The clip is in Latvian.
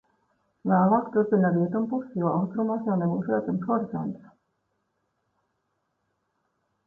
Vēlāk turpina ar rietumu pusi, jo austrumos jau nebūs redzams horizonts.